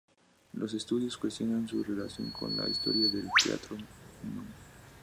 Los estudiosos cuestionan su relación con la historia del teatro Nō..